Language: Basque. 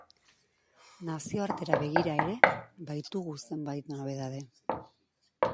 Nazioartera begira ere, baitugu zenbait nobedade.